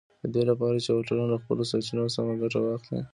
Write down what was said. د دې لپاره چې یوه ټولنه له خپلو سرچینو سمه ګټه واخلي